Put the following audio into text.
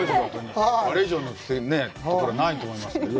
あれ以上のところないと思いますけどね。